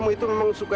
baik yang juga